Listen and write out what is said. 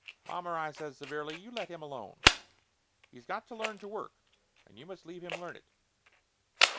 "Mommer," I says severely, "you let him alone. He's got to learn to work and you must leave him learn it!"